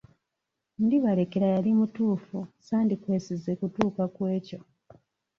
Ndibalekera yali mutuufu sandikwesize kutuuka ku ekyo.